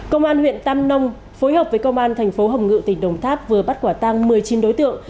công an huyện tam nông phối hợp với công an tp hcm tỉnh đồng tháp vừa bắt quả tang một mươi chín đối tượng